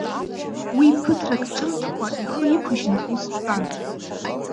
Уи ԥыҭрак ҿымҭкәа ихы иқәыжьны ус дтәан.